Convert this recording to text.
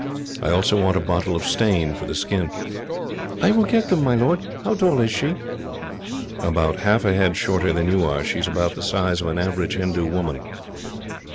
I also want a bottle of stain for the skin." "I will get them, my lord. How tall is she?" "About half a head shorter than you are. She is about the size of an average Hindoo woman."